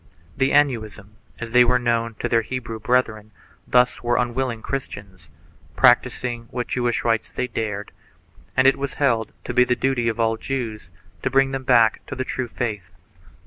The Anusim, as they were known to their Hebrew brethren, thus were unwilling Christians, practising what Jewish rites they dared, and it was held to be the duty of all Jews to bring them back to the true faith.